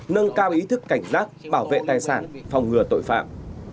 nâng cao ý thức cảnh giác bảo vệ tài sản phòng ngừa tội phạm